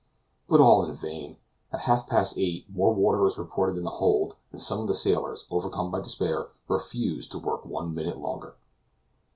But all in vain! At half past eight more water is reported in the hold, and some of the sailors, overcome by despair, refuse to work one minute longer.